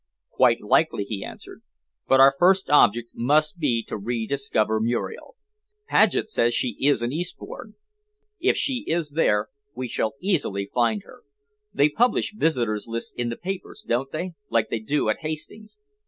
"Quite likely," he answered. "But our first object must be to rediscover Muriel. Paget says she is in Eastbourne. If she is there, we shall easily find her. They publish visitors' lists in the papers, don't they, like they do at Hastings?"